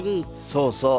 そうそう。